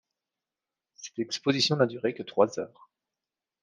Cette exposition n'a duré que trois heures.